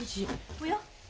おや？